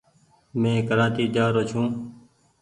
مين ڪرآچي جآ رو ڇون۔